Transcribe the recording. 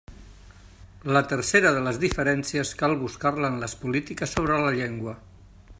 La tercera de les diferències cal buscar-la en les polítiques sobre la llengua.